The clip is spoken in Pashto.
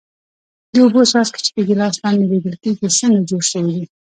د اوبو څاڅکي چې د ګیلاس لاندې لیدل کیږي څنګه جوړ شوي دي؟